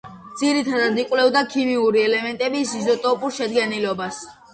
ძირითადად იკვლევდა ქიმიური ელემენტების იზოტოპურ შედგენილობას.